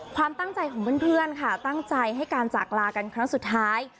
ความตั้งใจของเพื่อนค่ะตั้งใจให้การจากลากันครั้งสุดท้าย